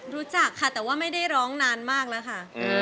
รู้จักค่ะแต่ว่าไม่ได้ร้องนานมากแล้วค่ะ